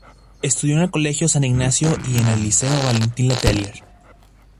Estudió en el Colegio San Ignacio y en el Liceo Valentín Letelier.